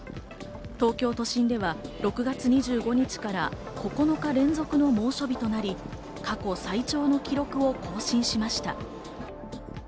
東京都心では６月２５日から９日連続の猛暑日となり、過去最長の記録を更新しました。